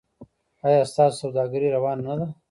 ایا ستاسو سوداګري روانه نه ده؟